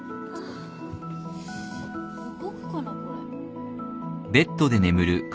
動くかなこれ。